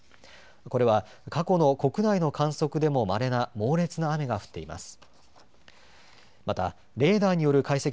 これは過去の国内の観測でもまれな猛烈な雨が降っています。